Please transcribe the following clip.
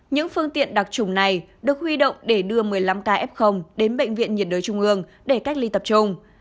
những phương tiện đặc trùng này được huy động để đưa một mươi năm ca f đến bệnh viện nhiệt đới trung ương để cách ly tập trung